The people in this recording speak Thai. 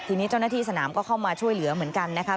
ทีนี้เจ้าหน้าที่สนามก็เข้ามาช่วยเหลือเหมือนกันนะคะ